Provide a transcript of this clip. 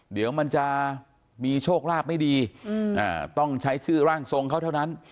เดี๋ยวมันจะมีโชคลาภไม่ดีต้องใช้ชื่อร่างทรงเขาเท่านั้น